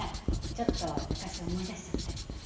ちょっと昔を思い出しちゃって。